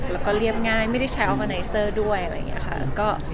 แล้วก็เรียบง่ายไม่ได้ใช้ออกมาไนเซอร์ด้วยอะไรอย่างนี้ค่ะ